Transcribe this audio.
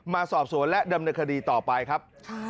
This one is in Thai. มาสอบสวนและดำเนินคดีต่อไปครับ